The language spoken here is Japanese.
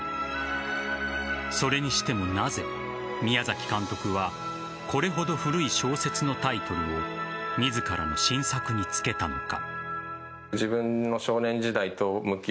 それにしてもなぜ、宮崎監督はこれほど古い小説のタイトルを自らの新作につけたのか。